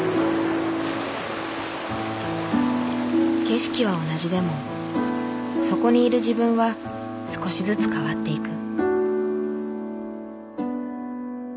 景色は同じでもそこにいる自分は少しずつ変わっていく。